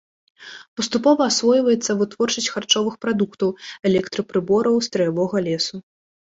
Паступова асвойваецца вытворчасць харчовых прадуктаў, электрапрыбораў, страявога лесу.